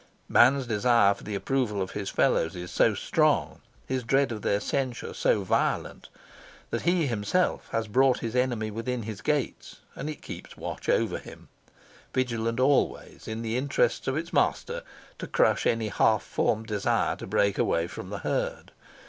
Man's desire for the approval of his fellows is so strong, his dread of their censure so violent, that he himself has brought his enemy within his gates; and it keeps watch over him, vigilant always in the interests of its master to crush any half formed desire to break away from the herd.